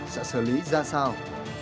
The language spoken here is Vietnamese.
sẽ xử lý ra sao